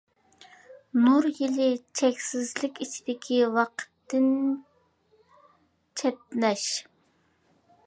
نۇر يىلى چەكسىزلىك ئىچىدىكى ۋاقىتتىن چەتنەش.